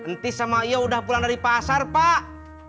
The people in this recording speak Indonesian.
ntis sama iya udah pulang dari pasar pak